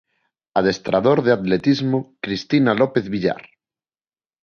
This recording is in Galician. Adestrador de atletismo Cristina López Villar.